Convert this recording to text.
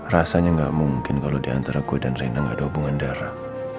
rasanya gak mungkin kalau diantara gue dan rena gak ada hubungan darah